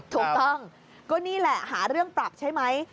ถูกต้องก็นี่แหละหาเรื่องปรับใช่ไหม